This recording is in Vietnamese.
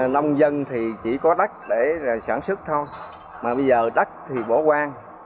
nông dân thì chỉ có đất để sản xuất thôi mà bây giờ đất thì bỏ quang